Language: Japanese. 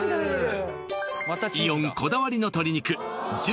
イオンこだわりの鶏肉純